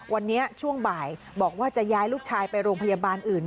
วันนี้ช่วงบ่ายบอกว่าจะย้ายลูกชายไปโรงพยาบาลอื่น